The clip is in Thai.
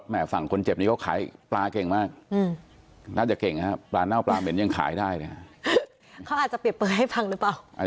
มีการก็เปรียบเปลยให้ฟังหรือเปล่า